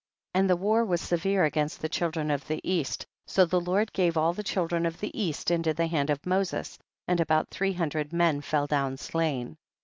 42. And the war was severe against the children of the east, so the Lord gave all the children of the east into the hand of Moses, and about three hundred men fell down slain.